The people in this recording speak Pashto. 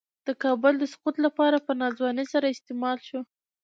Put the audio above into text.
د کابل د سقوط لپاره په ناځوانۍ سره استعمال شو.